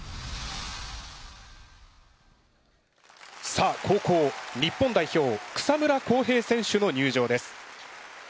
さあ後攻日本代表草村航平選手の入場です。